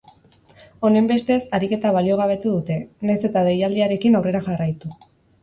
Honenbestez, ariketa baliogabetu dute, nahiz eta deialdiarekin aurrera jarraitu.